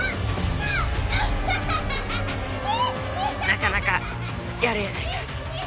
なかなかやるやないか。